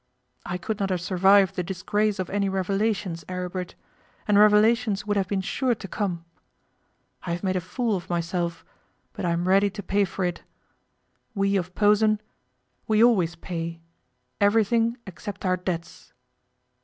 I could not have survived the disgrace of any revelations, Aribert, and revelations would have been sure to come. I have made a fool of myself, but I am ready to pay for it. We of Posen we always pay everything except our debts.